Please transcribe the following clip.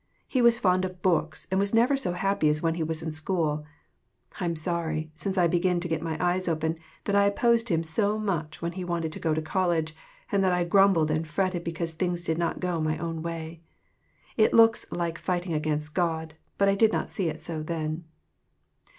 He was fond of books and was never so happy as when he was in school. I'm sorry, since I begin to get my eyes open, that I opposed him so much when he wanted to go to college, and that I grumbled and fretted because things did not go my way. It looks like fighting against God, but I did not see it so then.